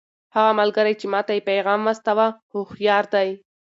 هغه ملګری چې ما ته یې پیغام واستاوه هوښیار دی.